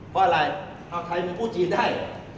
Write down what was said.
เพราะอะไรถ้าไทยมันพูดจีนได้